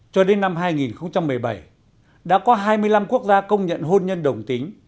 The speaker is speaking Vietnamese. cho đến năm hai nghìn một mươi bảy đã có hai mươi năm quốc gia công nhận hôn nhân đồng tính